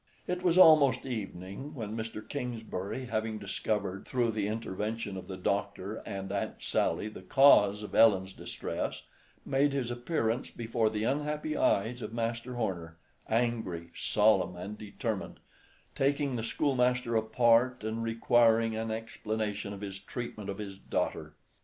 It was almost evening when Mr. Kingsbury, having discovered, through the intervention of the Doctor and Aunt Sally the cause of Ellen's distress, made his appearance before the unhappy eyes of Master Horner, angry, solemn and determined; taking the schoolmaster apart, and requiring, an explanation of his treatment of his daughter.